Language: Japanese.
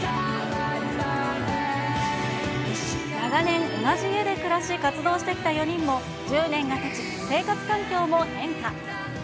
長年、同じ家で暮らし活動してきた４人も、１０年がたち、生活環境も変化。